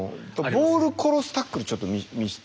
ボール殺すタックルちょっと見せて。